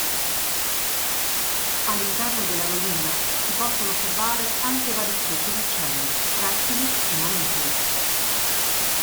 All'interno della dolina si possono osservare anche varie specie di uccelli, rettili e mammiferi.